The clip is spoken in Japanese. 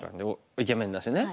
イケメンだしね。